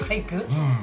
うん